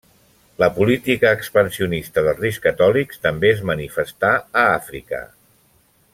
La política expansionista dels reis Catòlics també es manifestà a Àfrica.